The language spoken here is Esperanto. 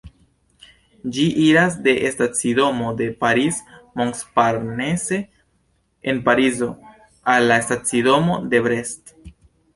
Ĝi iras de la stacidomo de Paris-Montparnasse en Parizo al la stacidomo de Brest.